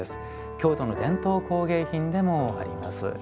京都の伝統工芸品でもあります。